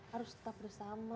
harus tetap bersama